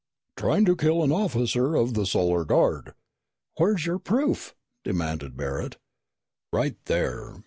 "Trying to kill an officer of the Solar Guard." "Where is your proof?" demanded Barret. "Right there!"